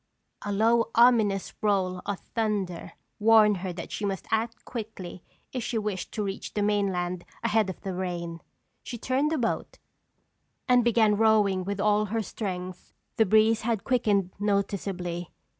A low, ominous roll of thunder warned her that she must act quickly if she wished to reach the mainland ahead of the rain. She turned the boat, and began rowing with all her strength. The breeze had quickened noticeably.